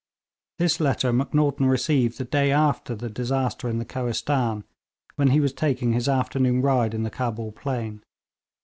This letter Macnaghten received the day after the disaster in the Kohistan, when he was taking his afternoon ride in the Cabul plain.